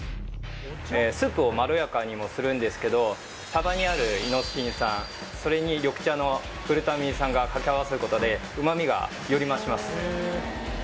スープをまろやかにもするんですけどサバにあるイノシン酸それに緑茶のグルタミン酸が掛け合わさることで旨味がより増します